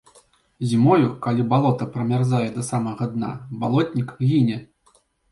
Зімою, калі балота прамярзае да самага дна, балотнік гіне.